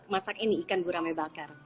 masakin nih ikan guramai bakar